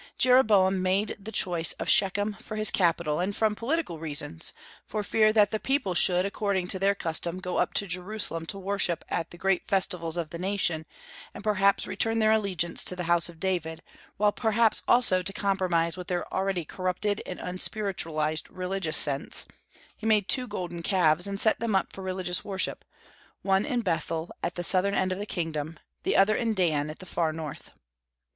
Jeroboam made choice of Shechem for his capital; and from political reasons, for fear that the people should, according to their custom, go up to Jerusalem to worship at the great festivals of the nation, and perhaps return to their allegiance to the house of David, while perhaps also to compromise with their already corrupted and unspiritualized religious sense, he made two golden calves and set them up for religious worship: one in Bethel, at the southern end of the kingdom; the other in Dan, at the far north.